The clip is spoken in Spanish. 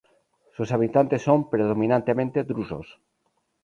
Sus habitantes son predominantemente drusos.